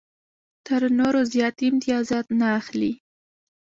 تر نورو زیات امتیازات نه اخلي.